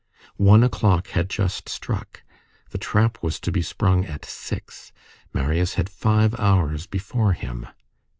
One o'clock had just struck, the trap was to be sprung at six. Marius had five hours before him.